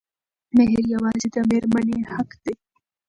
مهر يوازې د مېرمنې حق دی.